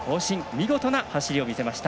見事な走りを見せました。